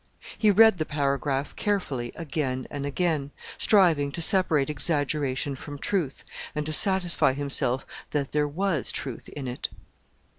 He read the paragraph carefully again and again, striving to separate exaggeration from truth, and to satisfy himself that there was truth in it.